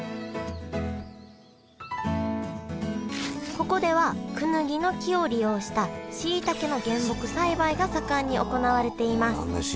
ここではクヌギの木を利用したしいたけの原木栽培が盛んに行われています。